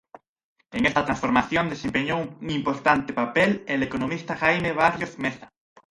En esta transformación desempeñó un importante papel, el economista Jaime Barrios Meza.